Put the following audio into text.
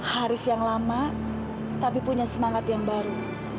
haris yang lama tapi punya semangat yang baru